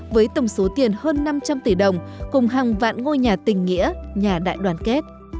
với tổng số tiền hơn năm trăm linh tỷ đồng cùng hàng vạn ngôi nhà tình nghĩa nhà đại đoàn kết